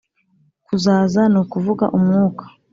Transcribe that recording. Kuzaza ni ukuvuga umwuka